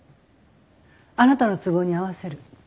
あなたの都合に合わせる。